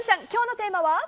今日のテーマは？